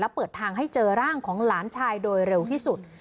เปิดทางให้เจอร่างของหลานชายโดยเร็วที่สุด